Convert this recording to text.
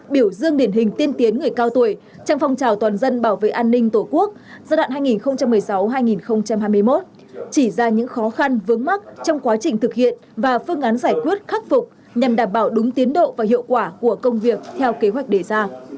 biểu dương điển hình tiên tiến người cao tuổi trong phong trào toàn dân bảo vệ an ninh tổ quốc giai đoạn hai nghìn một mươi sáu hai nghìn hai mươi một chỉ ra những khó khăn vướng mắt trong quá trình thực hiện và phương án giải quyết khắc phục nhằm đảm bảo đúng tiến độ và hiệu quả của công việc theo kế hoạch đề ra